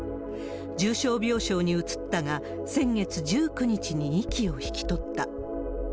重症病床に移ったが、先月１９日に息を引き取った。